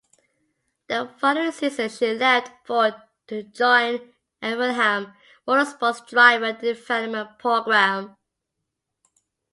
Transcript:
The following season, she left Ford to join Evernham Motorsports' driver development program.